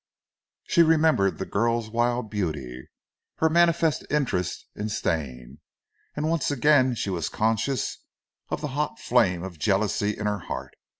She remembered the girl's wild beauty, her manifest interest in Stane, and once again she was conscious of the hot flame of jealousy in her heart.